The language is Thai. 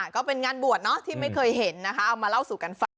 ก็เป็นงานบวชเนอะที่ไม่เคยเห็นนะคะเอามาเล่าสู่กันฟัง